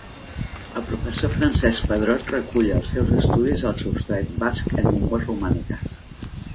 El professor Francesc Pedrot recull als seus estudis el substrat basc en llengües romàniques